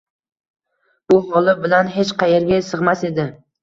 Bu holi bilan... hech qaerga sig‘mas edi!